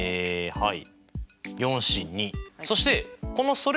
はい。